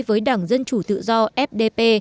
với đảng dân chủ tự do fdp